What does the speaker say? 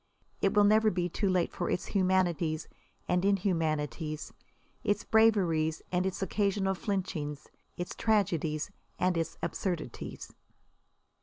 It will never be too late for its humanities and inhumanities, its braveries and its occasional flinchings, its tragedies and its absurdities.